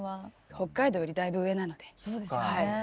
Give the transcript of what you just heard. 北海道よりだいぶ上なので。